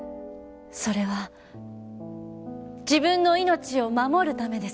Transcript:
それは自分の命を守るためですね？